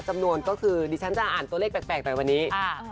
จำนวนก็คือดิฉันจะอ่านตัวเลขแปลกหน่อยวันนี้